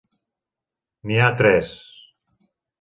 N'hi ha tres.